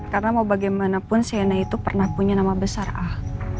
karena mau bagaimanapun sienna itu pernah punya nama besar al